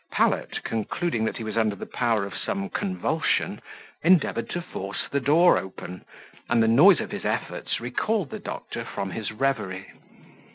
Pallet, concluding that he was under the power of some convulsion, endeavoured to force the door open, and the noise of his efforts recalled the doctor from his reverie.